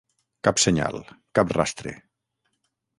Cap senyal, cap rastre.